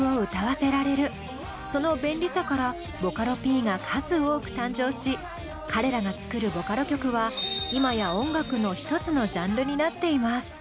その便利さからボカロＰが数多く誕生し彼らが作るボカロ曲は今や音楽の１つのジャンルになっています。